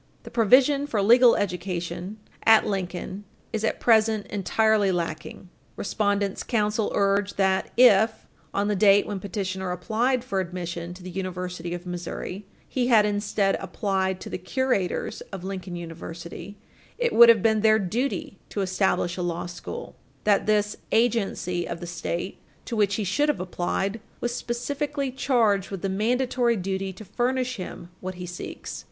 The provision for legal education at Lincoln is at present entirely lacking. Respondents' counsel urge that, if, on the date when petitioner applied for admission to the University of Missouri, he had instead applied to the curators of Lincoln University, it would have been their duty to establish a law school; that this "agency of the State," to which he should have applied, was "specifically charged with the mandatory duty to furnish him what he seeks."